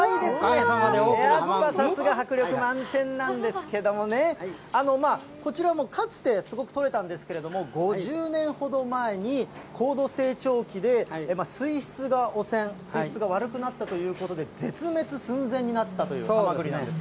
大きなはまぐり、さすが、迫力満点なんですけれどもね、こちらもかつてすごく取れたんですけれども、５０年ほど前に高度成長期で水質が汚染、水質が悪くなったということで、絶滅寸前になったというはまぐりなんです。